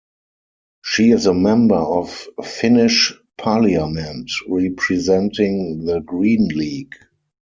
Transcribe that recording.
She is a Member of Finnish Parliament, representing the Green League.